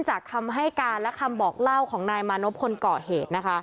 คำให้การและคำบอกเล่าของนายมานพคนเกาะเหตุนะคะ